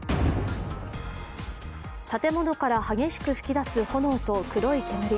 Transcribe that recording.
建物から激しく噴き出す炎と黒い煙。